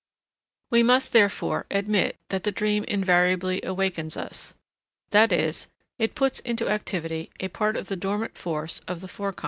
We must, therefore, admit that the dream invariably awakens us, that is, it puts into activity a part of the dormant force of the Forec.